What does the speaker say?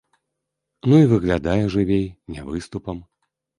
Ну, і выглядае жывей, не выступам.